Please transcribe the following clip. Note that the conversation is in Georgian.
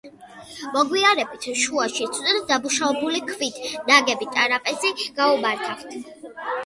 მოგვიანებით შუაში ცუდად დამუშავებული ქვით ნაგები ტრაპეზი გაუმართავთ.